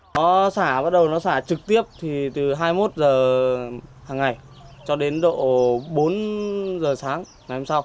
nó bắt đầu xả trực tiếp từ hai mươi một h hàng ngày cho đến độ bốn h sáng ngày hôm sau